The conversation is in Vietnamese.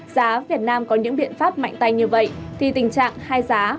giá việt nam có những biện pháp mạnh tay như vậy thì tình trạng hai giá